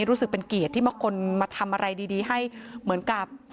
รู้สึกเป็นเกียรติที่บางคนมาทำอะไรดีให้เหมือนกับ